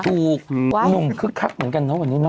ถูกหนุ่มคึกคักเหมือนกันนะวันนี้เนอ